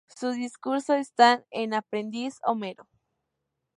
Su discurso está en "Aprendiz de Homero".